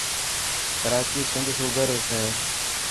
ڪراچي سنڌ صوبي رو شهر.